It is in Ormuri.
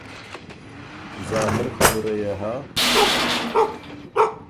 ظاهر خبُره يې هۀ